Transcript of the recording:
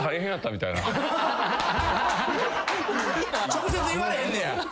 直接言われへんねや。